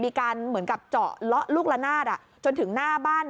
มีการเหมือนกับเจาะละลูกละนาดอะ